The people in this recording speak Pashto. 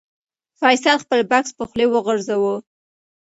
فیصل خپل بکس په غولي وغورځاوه.